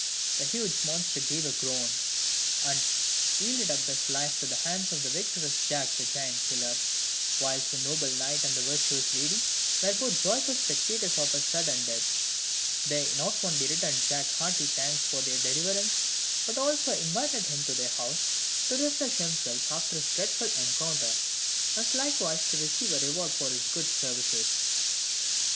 The huge monster gave a groan, and yielded up his life into the hands of the victorious Jack the Giant Killer, whilst the noble knight and the virtuous lady were both joyful spectators of his sudden death. They not only returned Jack hearty thanks for their deliverance, but also invited him to their house, to refresh himself after his dreadful encounter, as likewise to receive a reward for his good services.